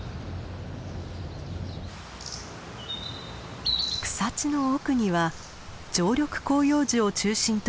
草地の奥には常緑広葉樹を中心とした森が広がっています。